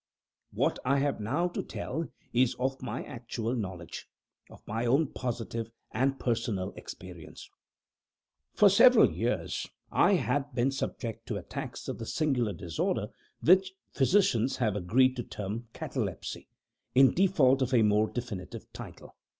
What I have now to tell is of my own actual knowledge of my own positive and personal experience. For several years I had been subject to attacks of the singular disorder which physicians have agreed to term catalepsy, in default of a more definitive title.